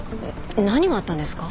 何があったんですか？